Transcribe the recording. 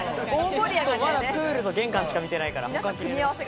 まだプールと玄関しか見てないから。